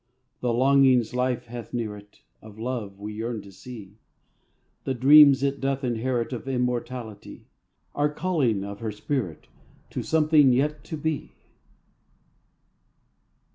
The longings life hath near it Of love we yearn to see; The dreams it doth inherit Of immortality; Are callings of her spirit To something yet to be.